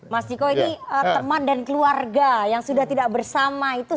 mas ciko ini teman dan keluarga yang sudah tidak bersama itu